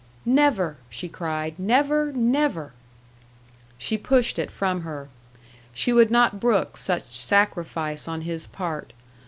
"Never!" she cried. "Never, never!" She pushed it from her. She would not brook such sacrifice on his part.